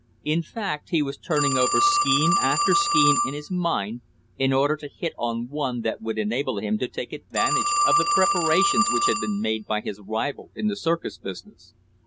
In fact he was turning over scheme after scheme in his mind in order to hit on one that would enable him to take advantage of the preparations which had been made by his rival in the circus business.